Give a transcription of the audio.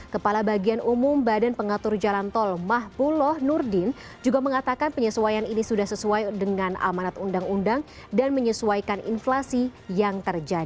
kepala bagian umum badan pengatur jalan tol mahbuloh nurdin juga mengatakan penyesuaian ini sudah sesuai dengan amanat undang undang